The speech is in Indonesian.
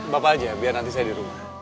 bapak aja biar nanti saya di rumah